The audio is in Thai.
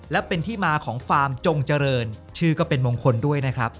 และเป็นที่มาของฟาร์มจงเจริญชื่อก็เป็นมงคลด้วยนะครับ